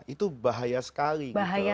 itu bahaya sekali